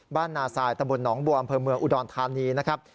บ้านนาซายตมหนองบัวอำเภอเมืองอุดรทานีนะครับ